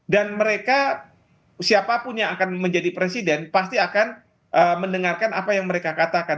dan mereka siapapun yang akan menjadi presiden pasti akan mendengarkan apa yang mereka katakan